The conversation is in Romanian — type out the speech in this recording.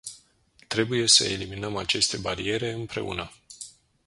Trebuie să eliminăm aceste bariere împreună.